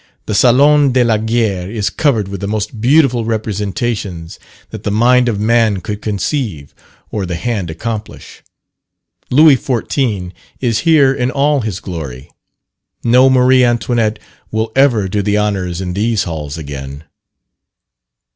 The Salon de la Guerre is covered with the most beautiful representations that the mind of man could conceive, or the hand accomplish. Louis XIV. is here in all his glory. No Marie Antoinette will ever do the honours in these halls again.